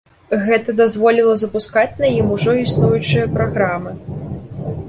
Гэта дазволіла запускаць на ім ужо існуючыя праграмы.